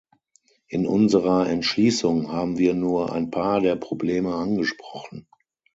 In unserer Entschließung haben wir nur ein paar der Probleme angesprochen.